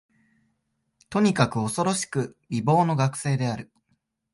とにかく、おそろしく美貌の学生である